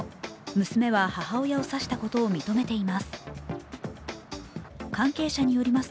娘は母親を刺したことを認めています。